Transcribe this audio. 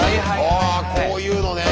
あこういうのね。